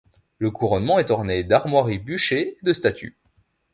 Le couronnement est orné d'armoiries bûchées et de statues.